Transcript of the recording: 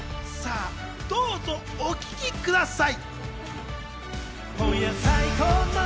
どうぞお聴きください。